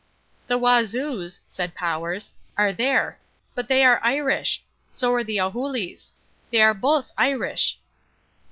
"The Wazoos," said Powers, "are there. But they are Irish. So are the Ohulîs. They are both Irish."